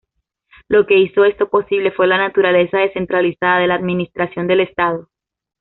Lo que hizo esto posible fue la naturaleza descentralizada de la administración del estado.